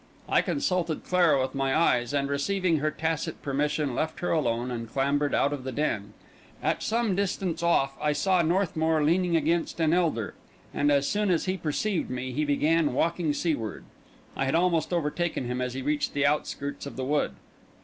I consulted Clara with my eyes, and, receiving her tacit permission, left her alone, and clambered out of the den. At some distance of I saw Northmour leaning against an elder; and, as soon as he perceived me, he began walking seaward. I had almost overtaken him as he reached the outskirts of the wood.